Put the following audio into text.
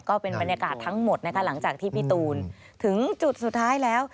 ก็เป็นบรรยากาศทั้งหมดนะคะหลังจากที่พี่ตูนถึงจุดสุดท้ายแล้ว